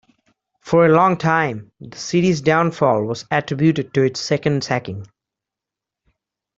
For a long time, the city's downfall was attributed to its second sacking.